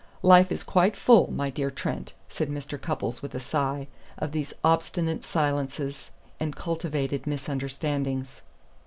Life is quite full, my dear Trent," said Mr. Cupples with a sigh, "of these obstinate silences and cultivated misunderstandings."